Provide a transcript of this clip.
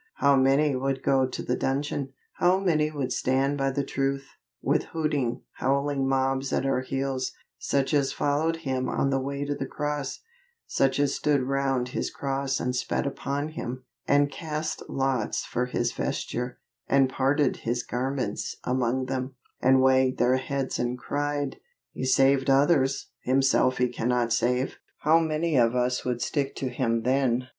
How many would go to the dungeon? How many would stand by the truth, with hooting, howling mobs at our heels, such as followed Him on the way to the cross such as stood round His cross and spat upon Him, and cast lots for His vesture, and parted His garments among them, and wagged their heads and cried, "He saved others; Himself He cannot save"? How many of us would stick to Him then?